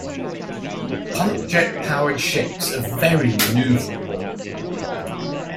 Pump-jet powered ships are very maneuverable.